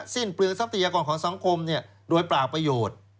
สิ้นเปลืองทรัพยากรของสังคมโดยเปล่าประโยชน์